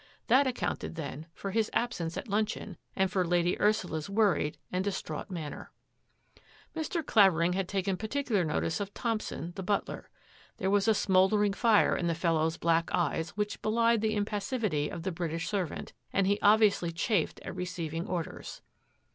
That counted, then, for his absence at luncheon for Lady Ursula's worried and distraught n ner. Mr. Clavering had taken particular notic< Thompson, the butler. There was a smoulde: fire in the fellow's black eyes which belied the passivity of the British servant, and he obvio chafed at receiving orders.